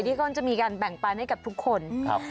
ที่ก้อนจะมีการแบ่งปันให้กับทุกคน